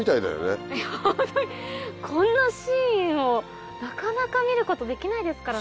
こんなシーンをなかなか見ることできないですからね。